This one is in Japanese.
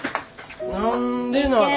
何でなら。